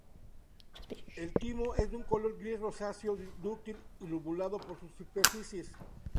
El timo es de un color gris rosáceo, dúctil, y lobulado por sus superficies.